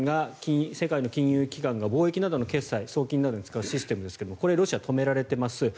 世界の金融機関が貿易などの決済、送金に使うシステムですがこれ、ロシア止められています。